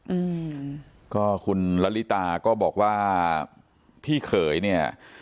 อืมก็คุณละลิตาก็บอกว่าพี่เขยเนี่ย